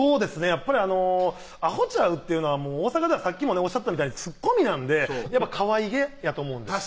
やっぱり「アホちゃう？」っていうのは大阪ではさっきもおっしゃったみたいにツッコミなんでかわいげやと思うんです